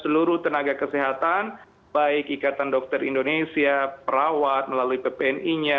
seluruh tenaga kesehatan baik ikatan dokter indonesia perawat melalui ppni nya